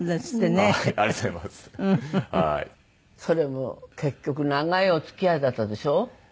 それも結局長いお付き合いだったでしょ？